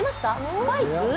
スパイク？